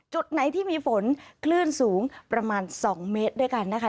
จุดไหนที่มีฝนคลื่นสูงประมาณ๒เมตรด้วยกันนะคะ